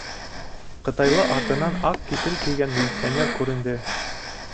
Ҡытайлы артынан аҡ китель кейгән милиционер күренде.